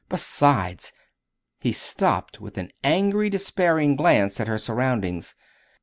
Besides " He stopped with an angrily despairing glance at her surroundings.